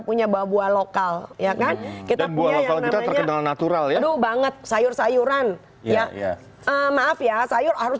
punya buah buah lokal ya kan kita punya yang namanya natural aduh banget sayur sayuran ya maaf ya sayur harus